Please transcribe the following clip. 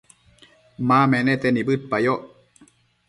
ma menete nibëdpayoc